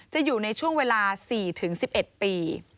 จะอยู่ในช่วงเวลา๔๑๑ปี